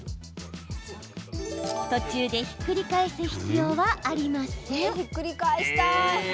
途中でひっくり返す必要はありません。